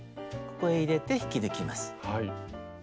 ここへ入れて引き抜きます。